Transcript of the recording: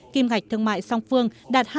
kiêm ngạch thương mại song phương